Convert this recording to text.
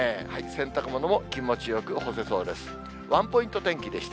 洗濯物も気持ちよく干せそうです。